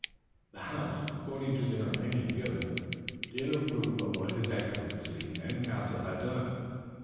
"The house, according to their opinion given, did approve of what his excellency and council had done."